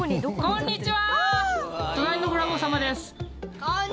こんにちは。